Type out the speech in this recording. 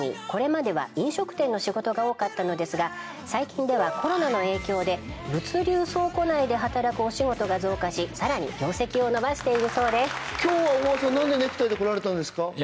これまでは飲食店の仕事が多かったのですが最近ではコロナの影響で物流倉庫内で働くお仕事が増加しさらに業績を伸ばしているそうです今日は小川さん何でネクタイで来られたんですか？